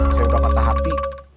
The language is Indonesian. saya udah kata hati